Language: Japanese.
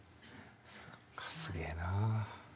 そっかすげえな。